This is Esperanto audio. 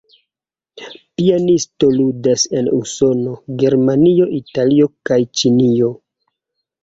Pianisto ludas en Usono, Germanio, Italio, kaj Ĉinio.